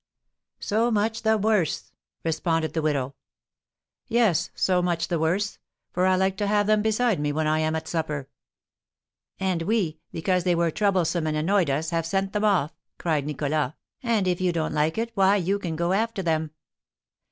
"So much the worse," responded the widow. "Yes, so much the worse; for I like to have them beside me when I am at supper." "And we, because they were troublesome and annoyed us, have sent them off," cried Nicholas; "and if you don't like it, why, you can go after them."